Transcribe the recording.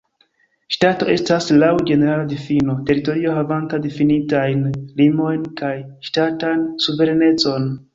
Ŝtato estas laŭ ĝenerala difino teritorio havanta difinitajn limojn kaj ŝtatan suverenecon.